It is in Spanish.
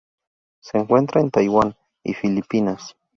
Se encuentra en Taiwán y Filipinas.